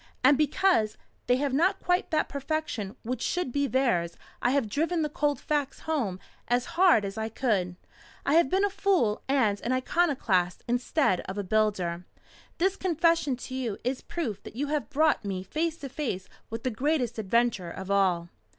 And because they have not quite that perfection which should be theirs I have driven the cold facts home as hard as I could. I have been a fool and an iconoclast instead of a builder. This confession to you is proof that you have brought me face to face with the greatest adventure of all."